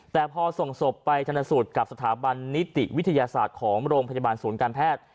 แต่พอส่งศพไปชนสูตรกับสถาบันนิติวิทยาศาสตร์ของโรงพยาบาลศูนย์การแพทย์